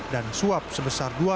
dan suap sebesar seratus juta